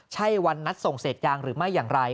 ใช่วันนัดส่งเศษยางหรือไม่อย่างไร